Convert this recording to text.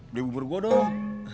dibubur gue dong